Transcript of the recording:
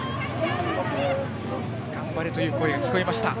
頑張れという声が聞こえました。